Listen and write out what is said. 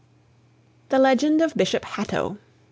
THE LEGEND OF BISHOP HATTO.